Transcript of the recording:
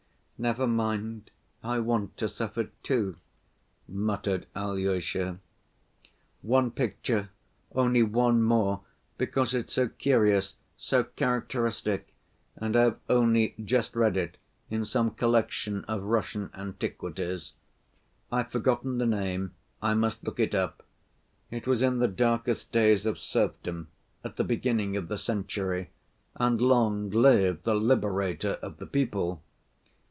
"Never mind. I want to suffer too," muttered Alyosha. "One picture, only one more, because it's so curious, so characteristic, and I have only just read it in some collection of Russian antiquities. I've forgotten the name. I must look it up. It was in the darkest days of serfdom at the beginning of the century, and long live the Liberator of the People!